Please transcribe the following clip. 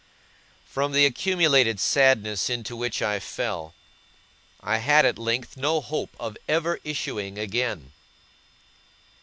From the accumulated sadness into which I fell, I had at length no hope of ever issuing again.